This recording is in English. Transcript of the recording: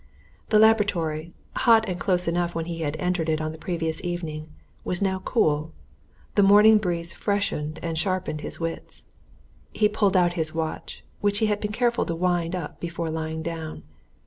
The laboratory, hot and close enough when he had entered it the previous evening, was now cool; the morning breeze freshened and sharpened his wits. He pulled out his watch, which he had been careful to wind up before lying down.